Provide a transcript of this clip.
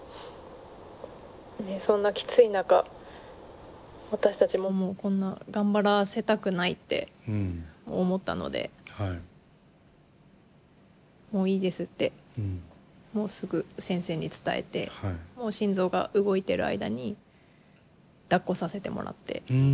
そんなきつい中私たちももうこんな頑張らせたくないって思ったのでもういいですってもうすぐ先生に伝えてもう心臓が動いてる間にだっこさせてもらって。